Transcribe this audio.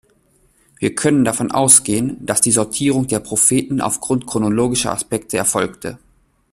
Wir können davon ausgehen, dass die Sortierung der Propheten aufgrund chronologischer Aspekte erfolgte.